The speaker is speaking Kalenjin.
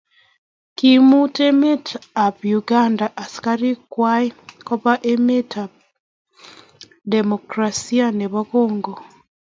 koimut emetab Uganda askarikwach koba emetab demokrasia nebo kongo